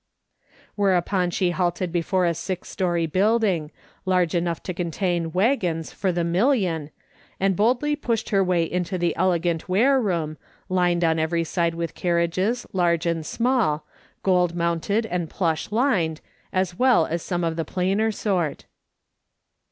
Whereupon she halted before a six story building, large enough to contain " waggons" for the million, and boldly pushed her way into the elegant ware room, lined on every side with carriages, large and small, gold rniounted and plush lined, as well as some of the plainer sort.